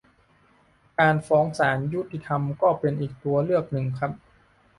การฟ้องศาลยุติธรรมก็เป็นอีกตัวเลือกหนึ่งครับ